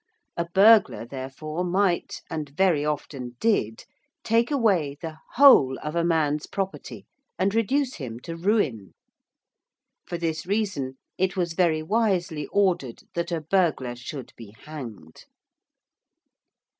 A burglar, therefore, might, and very often did, take away the whole of a man's property and reduce him to ruin. For this reason it was very wisely ordered that a burglar should be hanged.